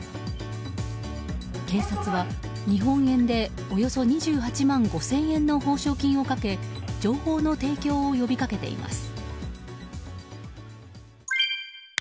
警察は日本円でおよそ２８万５０００円の報奨金をかけ情報の提供を呼びかけています。